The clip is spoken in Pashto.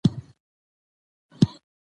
ړوند افغان دی له لېوانو نه خلاصیږي